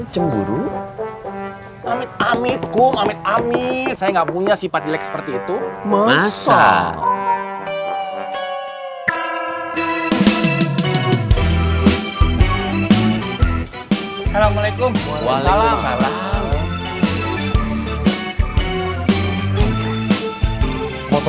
juga harus penginent